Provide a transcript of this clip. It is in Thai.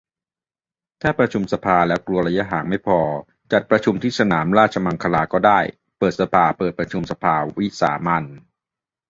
ถ้าประชุมสภาแล้วกลัวระยะหางไม่พอ จัดประชุมที่สนามราชมังคลาก็ได้ เปิดสภา เปิดประชุมสภาวิสามัญ